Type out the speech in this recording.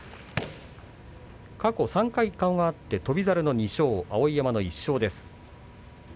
過去３回顔があって翔猿１勝、碧山の１勝です。